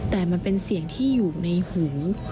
แต่มันเป็นเสียงที่อยู่ในหู